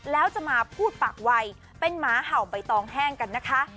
แล้วจะมาพูดปากวัยเป็นหมาเห่าใบตองแห้งกันนะคะ